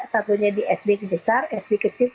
satunya di sd besar sd kecil